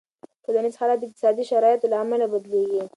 ټولنیز حالت د اقتصادي شرایطو له امله بدلېږي.